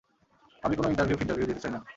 আমি কোনো ইন্টারভিউ ফিন্টারভিউ দিতে চাই না।